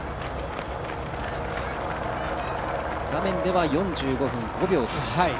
画面では４５分５秒です。